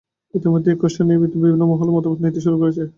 ইতিমধ্যে এ খসড়া নিয়ে বিভিন্ন মহলের মতামত নিতে শুরু করেছে।